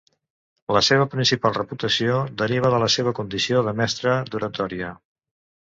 La seva principal reputació deriva de la seva condició de mestre d'oratòria.